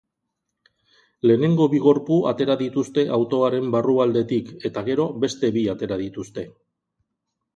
Lehenengo bi gorpu atera dituzte autoaren barrualdetik eta gero beste bi atera dituzte.